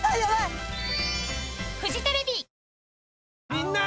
みんな！